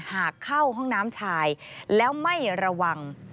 หากเข้าห้องน้ำชายแล้วไม่ระวัง